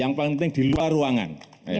yang paling penting di luar ruangan